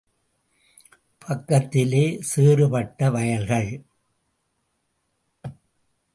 பக்கத்திலே சேறு பட்ட வயல்கள்.